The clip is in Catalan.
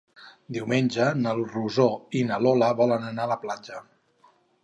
Diumenge na Rosó i na Lola volen anar a la platja.